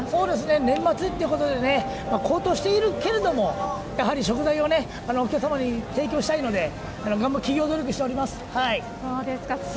年末ということで高騰しているけれども、食材をお客様に提供したいので企業努力しております。